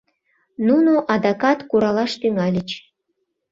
Нуно адакат куралаш тӱҥальыч.